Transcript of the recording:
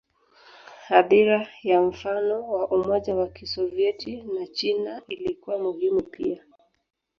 Athira ya mfano wa Umoja wa Kisovyeti na China ilikuwa muhimu pia.